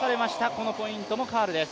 このポイントもカールです。